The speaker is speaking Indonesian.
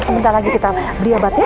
sebentar lagi kita beli obat ya